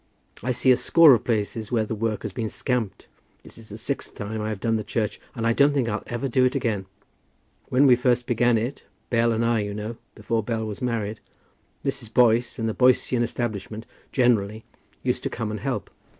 I see a score of places where the work has been scamped. This is the sixth time I have done the church, and I don't think I'll ever do it again. When we first began it, Bell and I, you know, before Bell was married, Mrs. Boyce, and the Boycian establishment generally, used to come and help.